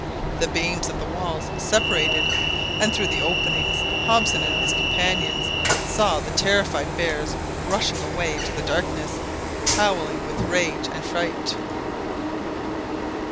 The beams of the walls separated, and through the openings Hobson and his companions saw the terrified bears rushing away into the darkness, howling with rage and fright.